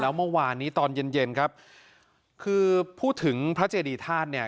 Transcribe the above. แล้วเมื่อวานนี้ตอนเย็นเย็นครับคือพูดถึงพระเจดีธาตุเนี่ย